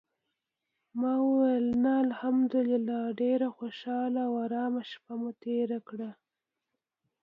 ما ویل: "نه، الحمدلله ډېره خوشاله او آرامه شپه مو تېره کړه".